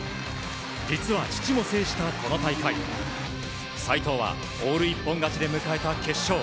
実は父も制したこの大会齋藤はオール一本勝ちで迎えた決勝。